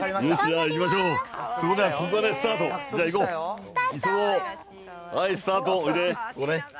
はい、スタート、おいで。